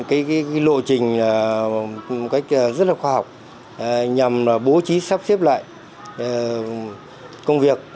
cái lộ trình một cách rất là khoa học nhằm bố trí sắp xếp lại công việc